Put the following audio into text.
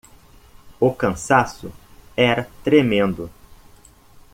O cansaço era tremendo